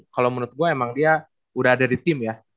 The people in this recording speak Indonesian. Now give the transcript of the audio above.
kalau menurut gue emang dia udah ada di tim ya